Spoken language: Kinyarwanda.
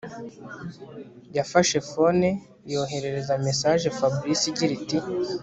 yafashe phone yoherereza message Fabric igira iti